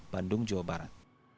bandung jawa barat